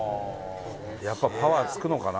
やっぱり、パワーつくのかな。